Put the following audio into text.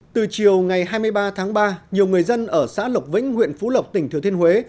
từ chiều ngày hai mươi ba tháng ba nhiều người dân ở xã lộc vĩnh huyện phú lộc tỉnh thừa thiên huế